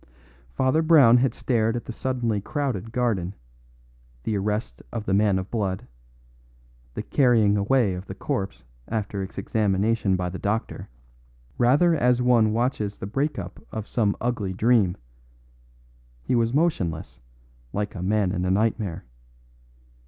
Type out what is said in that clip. Father Brown had stared at the suddenly crowded garden, the arrest of the man of blood, the carrying away of the corpse after its examination by the doctor, rather as one watches the break up of some ugly dream; he was motionless, like a man in a nightmare.